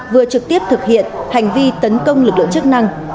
vừa trực tiếp thực hiện hành vi tấn công lực lượng chức năng